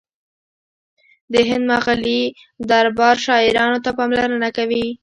د هند مغلي دربار شاعرانو ته پاملرنه کوله